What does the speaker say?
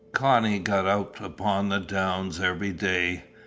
Connie got out upon the downs every day.